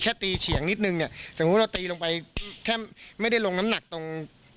ใช่แค่ตีเฉียงนิดนึงสมมติเราตีลงไปไม่ได้ลงน้ำหนักตรง